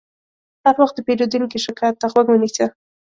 هر وخت د پیرودونکي شکایت ته غوږ ونیسه.